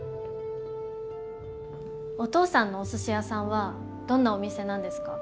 おとうさんのお鮨屋さんはどんなお店なんですか？